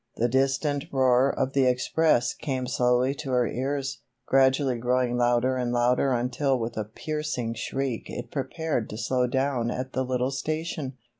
The distant roar of the express came slowly to her ears, gradually growing louder and louder until with a piercing shriek it prepared to slow down at the little station.